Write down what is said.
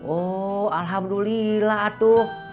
oh alhamdulillah tuh